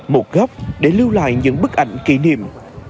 một góc để lưu lại những bức ảnh kỷ niệm